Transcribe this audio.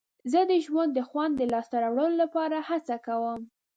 زه د ژوند د خوند د لاسته راوړلو لپاره هڅه کوم.